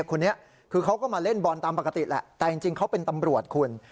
คนนี้คือเขาก็มาเล่นบอลตามปกติแหละแต่จริงเขาเป็นตำรวจคุณ